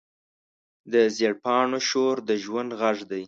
د زېړ پاڼو شور د ژوند غږ دی